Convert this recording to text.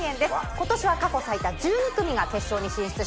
今年は過去最多１２組が決勝に進出します。